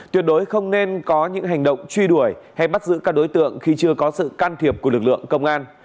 tuyệt đối không nên có những hành động truy đuổi hay bắt giữ các đối tượng khi chưa có sự can thiệp của lực lượng công an